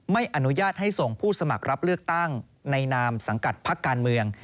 ไม่อนุญาตให้ส่งผู้สมัครรับเลือกตั้งในนามสังกัดพักการเมือง